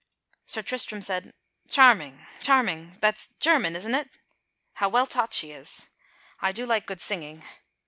Sir Tristram said: "Charming, charming, that's German, isn't it; how well taught she is. I do like good singing."